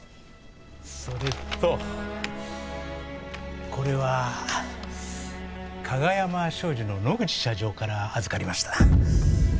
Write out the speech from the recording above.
それとこれは鹿賀山商事の野口社長から預かりました。